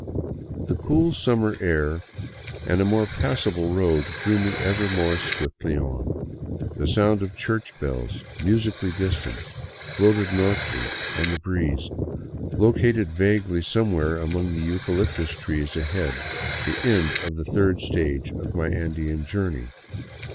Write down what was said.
The cool summer air and a more passable road drew me ever more swiftly on ; the sound of church bells, musically distant, floating northward on the breeze, located vaguely somewhere among the eucalyptus trees ahead the end of the third stage of my Andean journey.